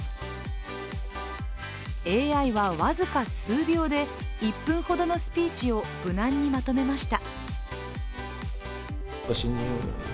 ＡＩは僅か数秒で１分ほどのスピーチを無難にまとめました。